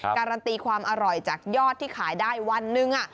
การันตีความอร่อยจากยอดที่ขายได้วันหนึ่ง